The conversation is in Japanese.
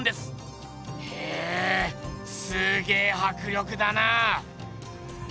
へぇすげぇはく力だなぁ！